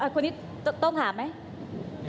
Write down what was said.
คุณนี่ต้องหาไหม